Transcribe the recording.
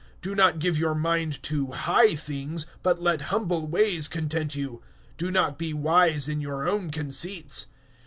Do not give your mind to high things, but let humble ways content you. Do not be wise in your own conceits.